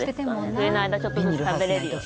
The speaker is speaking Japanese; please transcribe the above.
冬の間ちょっとずつ食べれるように。